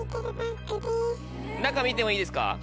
中見てもいいですか？